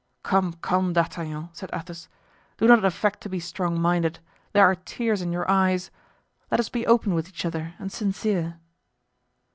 "Come, come, D'Artagnan," said Athos, "do not affect to be strong minded; there are tears in your eyes. Let us be open with each other and sincere."